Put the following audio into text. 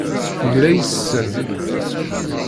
Tegla yes-sen.